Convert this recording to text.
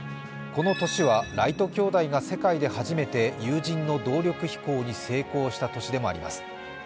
この年はライト兄弟が世界で初めて有人の動力飛行に成功した年でもあります。